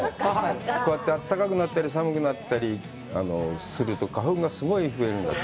こうやって暖かくなったり寒くなったりすると花粉がすごい増えるんだって。